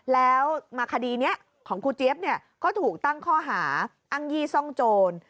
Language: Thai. แล้วมาคดีเนี่ยของครูเจ๊บเนี่ยก็ถูกตั้งข้อหาอังยีซ่องโจร